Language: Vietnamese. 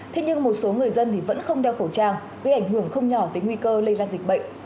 thế nhưng một số người dân thì vẫn không đeo khẩu trang gây ảnh hưởng không nhỏ tới nguy cơ lây lan dịch bệnh